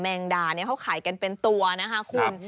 แมงดาเขาขายกันเป็นตัวนะครับคุณ